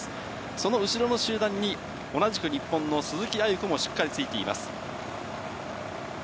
その後ろの集団に、同じく日本の鈴木亜由子もしっかりとついています。